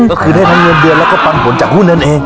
ก็คือได้ทั้งเงินเดือนแล้วก็ปันผลจากหุ้นเงินเอง